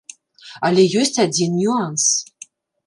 Але ёсць адзін нюанс.